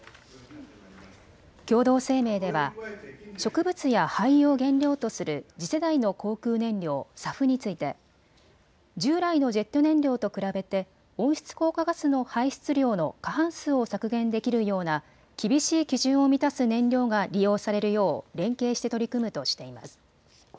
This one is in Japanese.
共同声明では植物や廃油を原料とする次世代の航空燃料、ＳＡＦについて従来のジェット燃料と比べて温室効果ガスの排出量の過半数を削減できるような厳しい基準を満たす燃料が利用されるよう連携して取り組むとしています。